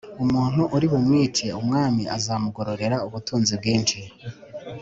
Umuntu uri bumwice umwami azamugororera ubutunzi bwinshi